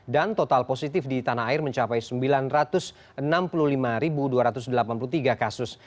dan total positif di tanah air mencapai sembilan ratus enam puluh lima dua ratus delapan puluh tiga kasus